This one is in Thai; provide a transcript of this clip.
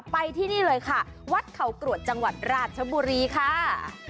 ไปที่นี่เลยค่ะวัดเขากรวดจังหวัดราชบุรีค่ะ